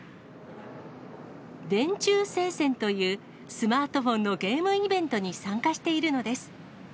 電柱聖戦という、スマートフォンのゲームイベントに参加しているのです。